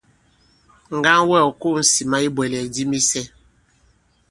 Ŋgaŋ wɛ ɔ̀ ko᷇s ŋsìma i ibwɛ̀lɛ̀k di misɛ.